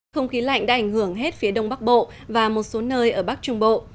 không khí lạnh đã ảnh hưởng hết phía đông bắc bộ và một số nơi ở bắc trung bộ